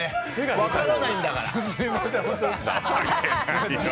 分からないんだから。